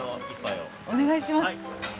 お願いします。